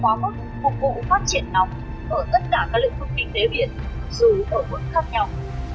quá mức phục vụ phát triển nóng ở tất cả các lĩnh vực kinh tế biển dù ở mức khác nhau